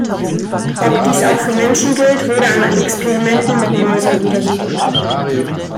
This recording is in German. Ob dies auch für Menschen gilt, wurde an Experimenten mit Mäusen untersucht.